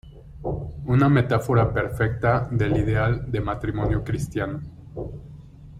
Una metáfora perfecta del ideal de matrimonio cristiano.